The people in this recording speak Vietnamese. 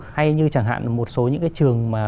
hay như chẳng hạn một số những cái trường mà